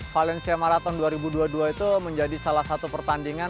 valencia marathon dua ribu dua puluh dua itu menjadi salah satu pertandingan